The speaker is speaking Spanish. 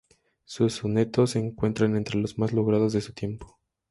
Sus sonetos se encuentran entre los más logrados de su tiempo.